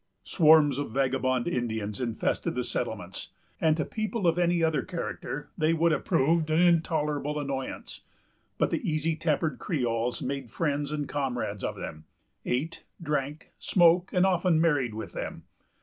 Swarms of vagabond Indians infested the settlements; and, to people of any other character, they would have proved an intolerable annoyance. But the easy tempered Creoles made friends and comrades of them; ate, drank, smoked, and often married with them.